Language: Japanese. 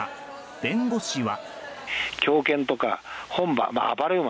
弁護士は。